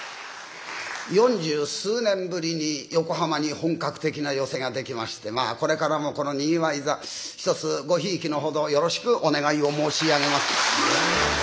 四十数年ぶりに横浜に本格的な寄席が出来ましてまあこれからもこのにぎわい座一つごひいきの程よろしくお願いを申し上げます。